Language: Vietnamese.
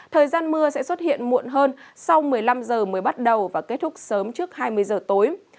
thời gian mưa sẽ xuất hiện muộn hơn sau một mươi năm h mới bắt đầu và kết thúc sớm trước hai mươi giờ tối